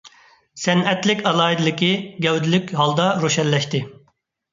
سەنئەتلىك ئالاھىدىلىكى گەۋدىلىك ھالدا روشەنلەشتى.